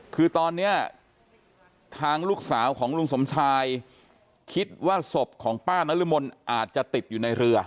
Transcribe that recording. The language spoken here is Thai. คือตอนนี้ทางลูกสาวของลุงสมชายคิดว่าศพของป้านรมนอาจจะติดอยู่ในเรือ